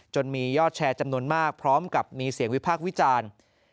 มียอดแชร์จำนวนมากพร้อมกับมีเสียงวิพากษ์วิจารณ์